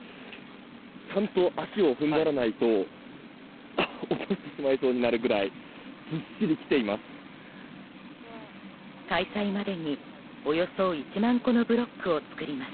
ちゃんと足を踏ん張らないと落としてしまいそうになるぐらいずっしりきています。